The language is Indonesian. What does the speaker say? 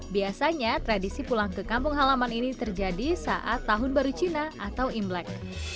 biasanya tradisi pulang ke kampung halaman ini terjadi saat tahun baru cina atau imlek